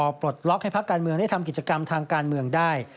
ปลดล็อกให้พักการเมืองได้ทำกิจกรรมทางการเมืองได้